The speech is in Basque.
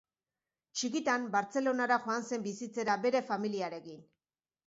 Txikitan, Bartzelonara joan zen bizitzera bere familiarekin.